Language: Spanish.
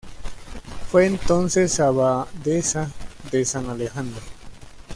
Fue entonces abadesa de San Alejandro.